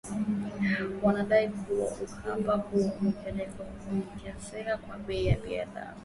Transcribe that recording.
Wanadai kuwa uhaba huo ulipelekea kuongezeka kwa bei za bidhaa